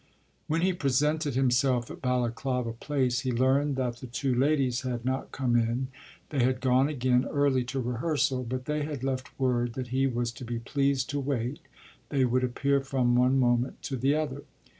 When he presented himself at Balaklava Place he learned that the two ladies had not come in they had gone again early to rehearsal; but they had left word that he was to be pleased to wait, they would appear from one moment to the other.